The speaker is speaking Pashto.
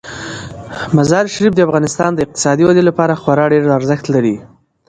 مزارشریف د افغانستان د اقتصادي ودې لپاره خورا ډیر ارزښت لري.